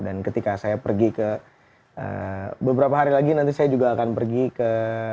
dan ketika saya pergi ke beberapa hari lagi nanti saya juga akan pergi ke